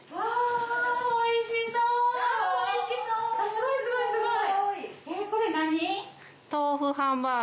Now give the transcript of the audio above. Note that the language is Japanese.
すごいすごいすごい！